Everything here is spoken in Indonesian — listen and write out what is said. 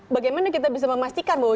bagaimana kita bisa memastikan bahwa